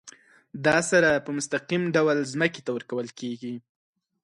دا سره په مستقیم ډول ځمکې ته ورکول کیږي.